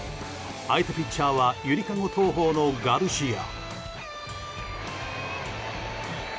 相手ピッチャーはゆりかご投法のガルシア。